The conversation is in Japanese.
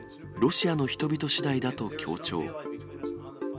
ロシアの人々しだいだと強調。